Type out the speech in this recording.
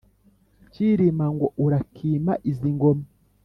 cyirima ngo urakima izi ngoma.